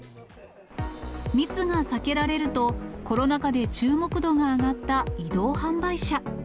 密が避けられると、コロナ禍で注目度が上がった移動販売車。